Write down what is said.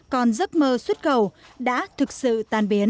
còn giấc mơ xuất khẩu đã thực sự tan biến